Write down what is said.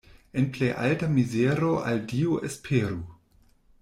En plej alta mizero al Dio esperu.